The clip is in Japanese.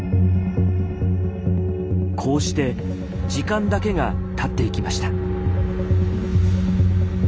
こうして時間だけがたっていきました。